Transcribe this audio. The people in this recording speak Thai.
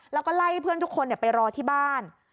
แล้วก็ไล่เพื่อนทุกคนไปรอที่บ้าน